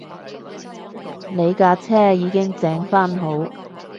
你架車已經整番好